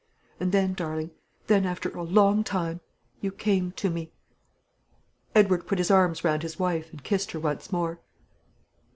And then, darling, then after a long time you came to me." Edward put his arms round his wife, and kissed her once more.